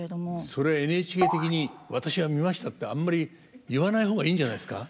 それＮＨＫ的に「私は見ました」ってあんまり言わない方がいいんじゃないんですか。